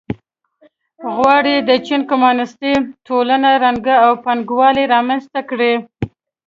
غواړي د چین کمونېستي ټولنه ړنګه او پانګوالي رامنځته کړي.